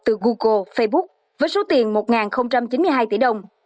từ google facebook với số tiền một chín mươi hai tỷ đồng